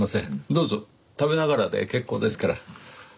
どうぞ食べながらで結構ですから。